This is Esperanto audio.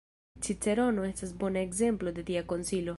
Cicerono estas bona ekzemplo de tia konsilo.